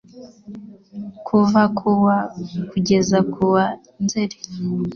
kuva ku wa kugeza ku wa Nzeri